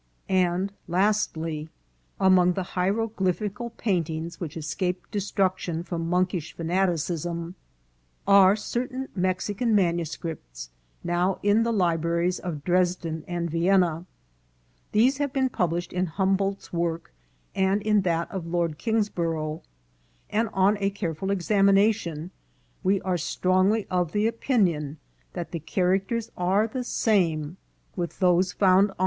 * And, lastly, among the hieroglyphical paintings which escaped destruction from monkish fanaticism are cer tain Mexican manuscripts now in the libraries of Dres den and Vienna. These have been published in Hum boldt's work and in that of Lord Kingsborough, and, on a careful examination, we are strongly of the opinion that the characters are the same with those found on « Vues de las Cordilleras, vol. xiii., p. 276. 454 INCIDENTS OF TRAVEL.